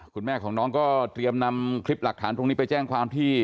คุณแม่ของน้องก็เตรียมนำคลิปหลักฐานตรงนี้ไปแจ้งความที่